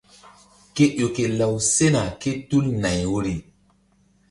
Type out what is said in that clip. Kéƴo ke law sena kétul nay woyri.